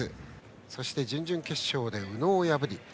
そして、準々決勝で宇野を破りました。